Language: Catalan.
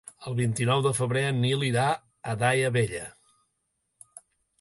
El vint-i-nou de febrer en Nil irà a Daia Vella.